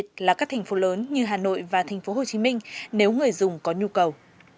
các thành phố lớn như hà nội và thành phố hồ chí minh nếu người dùng có nhu cầu